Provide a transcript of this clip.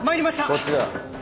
・こっちだ。